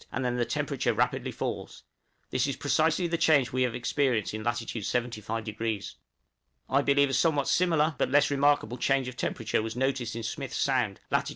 and then the temperature rapidly falls: this is precisely the change we have experienced in lat. 75°. I believe a somewhat similar, but less remarkable, change of temperature was noticed in Smith's Sound, lat.